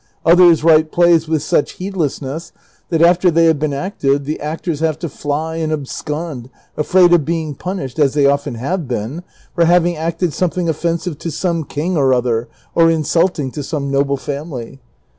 ^ Others write plays with such heedlessness that after they have been acted, the actors have to fly and abscond, afraid of being punished, as they often have been, for having acted something ofl'ensive to some king or other, or insulting to some noble family.